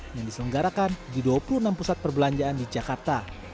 yang diselenggarakan di dua puluh enam pusat perbelanjaan di jakarta